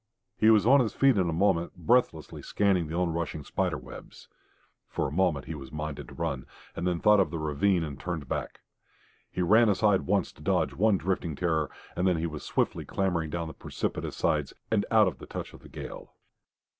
He was on his feet in a moment, breathlessly scanning the onrushing spider webs. For a moment he was minded to run, and then thought of the ravine, and turned back. He ran aside once to dodge one drifting terror, and then he was swiftly clambering down the precipitous sides, and out of the touch of the gale.